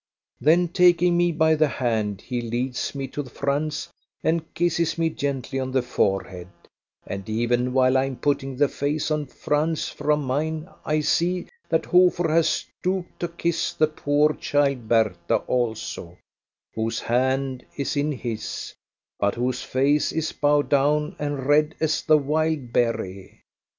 Then taking me by the hand he leads me to Franz and kisses me gently on the forehead, and even while I am putting the face of Franz from mine I see that Hofer has stooped to kiss the poor child Bertha also, whose hand is in his, but whose face is bowed down and red as the wild berry.